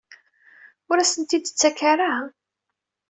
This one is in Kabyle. Ur as-ten-id-tettak ara?